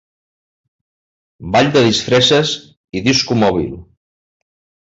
Ball de disfresses i disco mòbil.